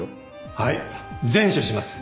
はい善処します。